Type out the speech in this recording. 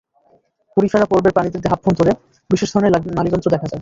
Porifera পর্বের প্রাণীদের দেহাভ্যন্তরে বিশেষ ধরনের নালিতন্ত্র দেখা যায়।